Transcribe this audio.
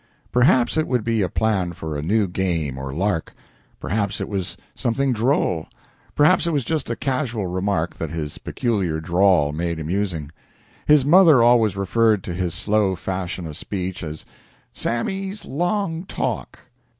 Perhaps it would be a plan for a new game or lark; perhaps it was something droll; perhaps it was just a casual remark that his peculiar drawl made amusing. His mother always referred to his slow fashion of speech as "Sammy's long talk."